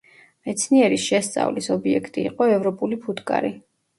მეცნიერის შესწავლის ობიექტი იყო ევროპული ფუტკარი.